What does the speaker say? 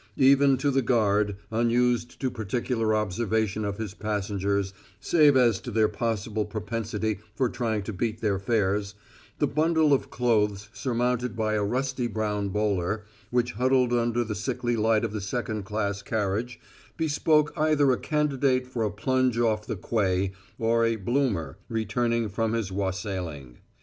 Even to the guard, unused to particular observation of his passengers save as to their possible propensity for trying to beat their fares, the bundle of clothes surmounted by a rusty brown bowler which huddled under the sickly light of the second class carriage bespoke either a candidate for a plunge off the quay or a "bloomer" returning from his wassailing.